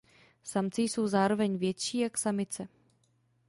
Samci jsou zároveň větší jak samice.